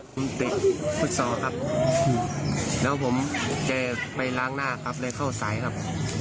ผมเตะฟุตซอลครับแล้วผมจะไปล้างหน้าครับเลยเข้าสายครับ